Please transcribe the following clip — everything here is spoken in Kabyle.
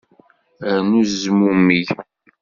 Rnu zmummeg.